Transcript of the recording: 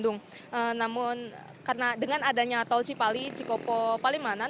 namun karena dengan adanya tol cipali cikopo palimanan